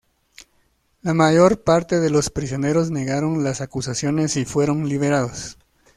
La mayor parte de los prisioneros negaron las acusaciones y fueron liberados.